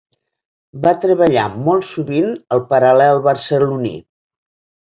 Va treballar molt sovint al Paral·lel barceloní.